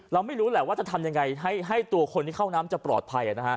ไม่รู้แหละว่าจะทำยังไงให้ตัวคนที่เข้าน้ำจะปลอดภัย